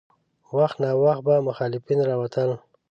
وخت ناوخت به مخالفین راوتل.